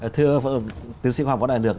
thưa tư sĩ hoàng võ đại được